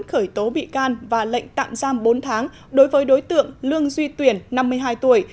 khởi tố bị can và lệnh tạm giam bốn tháng đối với đối tượng lương duy tuyển năm mươi hai tuổi